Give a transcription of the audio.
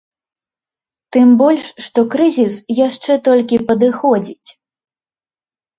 Тым больш, што крызіс яшчэ толькі падыходзіць.